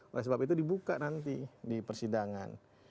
oleh sebab itu dibuka nanti di persidangan